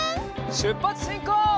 しゅっぱつしんこう！